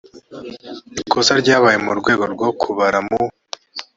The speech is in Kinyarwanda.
ikosa ryabaye mu rwego rwo kubara mu